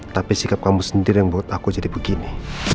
tapi sikap kamu sendiri yang buat aku jadi begini